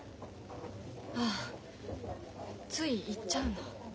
ああつい言っちゃうの。